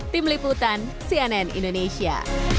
tim liputan cnn indonesia